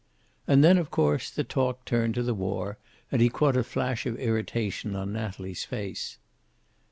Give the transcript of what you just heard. And then, of course, the talk turned to the war, and he caught a flash of irritation on Natalie's face.